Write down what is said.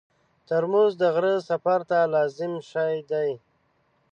ترموز د غره سفر ته لازم شی دی.